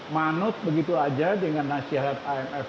manut begitu saja dengan nasihat anf